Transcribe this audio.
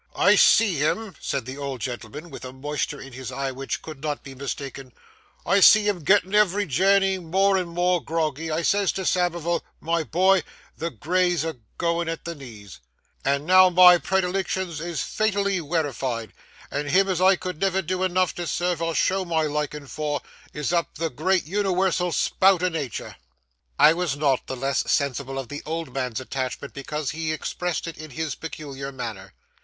I see him,' said the old gentleman, with a moisture in his eye, which could not be mistaken,—'I see him gettin', every journey, more and more groggy; I says to Samivel, "My boy! the Grey's a goin' at the knees;" and now my predilictions is fatally werified, and him as I could never do enough to serve or show my likin' for, is up the great uniwersal spout o' natur'.' I was not the less sensible of the old man's attachment because he expressed it in his peculiar manner.